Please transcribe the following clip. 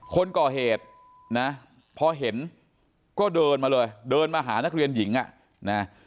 คนก่อเหตุนะพอเห็นก็เดินมาเลยเดินมาหานักเรียนหญิงอ่ะนะ